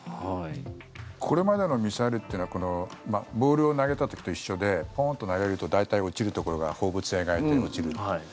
これまでのミサイルというのはボールを投げた時と一緒でポーンと投げると大体、落ちるところが放物線を描いて落ちるという。